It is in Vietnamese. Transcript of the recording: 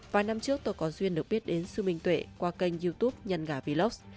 vài năm trước tôi có duyên được biết đến sư minh tuệ qua kênh youtube nhân gà vlog